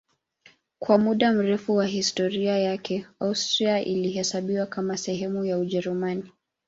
Kwa muda mrefu wa historia yake Austria ilihesabiwa kama sehemu ya Ujerumani.